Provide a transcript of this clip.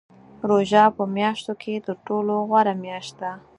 روژه په میاشتو کې تر ټولو غوره میاشت ده .